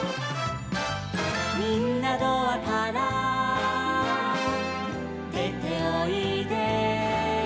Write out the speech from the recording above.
「みんなドアからでておいで」